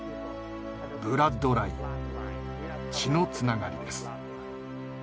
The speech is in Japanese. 「ブラッドライン」血のつながりです。